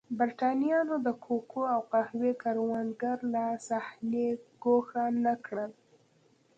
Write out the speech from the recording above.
برېټانویانو د کوکو او قهوې کروندګر له صحنې ګوښه نه کړل.